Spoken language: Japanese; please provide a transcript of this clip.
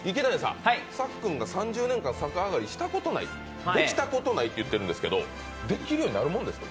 さっくんが３０年間、逆上がりしたことない、できたことないって言ってるんですが、できるもんですか。